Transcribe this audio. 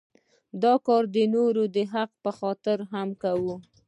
دا کار د نورو د حق په خاطر هم کوو.